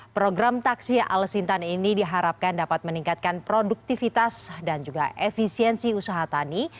program taksi al sintan ini diharapkan dapat meningkatkan produktivitas dan juga efisiensi usaha tani